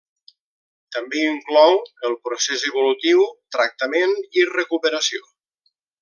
També inclou el procés evolutiu, tractament i recuperació.